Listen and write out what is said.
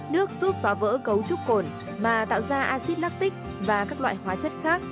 nước giúp phá vỡ cấu trúc cồn mà tạo ra acid lactic và các loại hóa chất khác